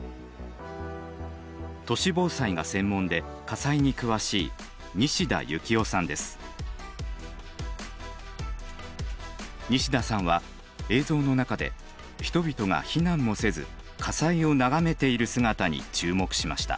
都市防災が専門で火災に詳しい西田さんは映像の中で人々が避難もせず火災を眺めている姿に注目しました。